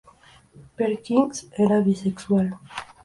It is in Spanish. Perkins era bisexual.